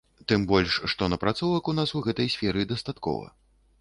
Тым больш што напрацовак у нас у гэтай сферы дастаткова.